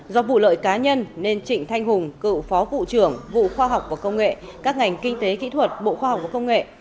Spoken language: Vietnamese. do vụ lợi cá nhân nên trịnh thanh hùng cựu phó vụ trưởng vụ khoa học và công nghệ các ngành kinh tế kỹ thuật bộ khoa học và công nghệ